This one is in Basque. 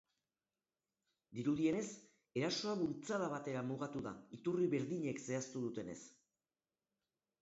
Dirudienez, erasoa bultzada batera mugatu da, iturri berdinek zehaztu dutenez.